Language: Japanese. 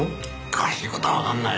詳しい事はわかんないよ。